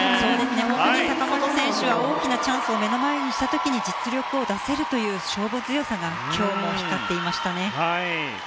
本当に坂本選手は大きなチャンスを目の前にしたときに実力を出せるという勝負強さが今日も光っていましたね。